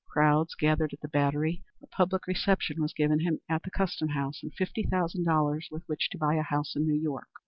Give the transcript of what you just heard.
Crowds gathered at the Battery, a public reception was given him at the Custom House, and fifty thousand dollars with which to buy a house in New York.